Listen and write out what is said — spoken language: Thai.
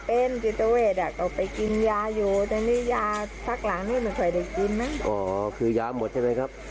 เป็นจิตเวทอ่ะก็ไปกินยาอยู่แต่นี่ยาซักหลังนี้ไม่ค่อยได้กินมั้งอ๋อคือยาหมดใช่ไหมครับ